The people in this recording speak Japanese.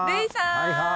はいはい。